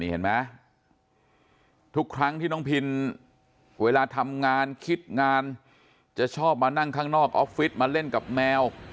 เห็นไหมทุกครั้งที่น้องพินเวลาทำงานคิดงานจะชอบมานั่งข้างนอกออฟฟิศมาเล่นกับแมว